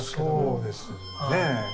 そうですね。